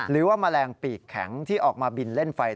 แมลงปีกแข็งที่ออกมาบินเล่นไฟ